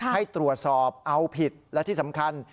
ให้ตรวจสอบเอาผิดและที่สำคัญ